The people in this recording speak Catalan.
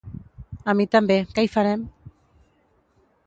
A mi també, què hi farem!